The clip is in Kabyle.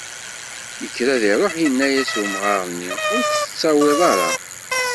Yekker ad iruḥ yenna-as, umɣar-nni ur tt-tettawiḍ ara.